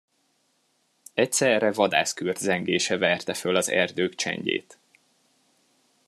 Egyszerre vadászkürt zengése verte föl az erdők csendjét.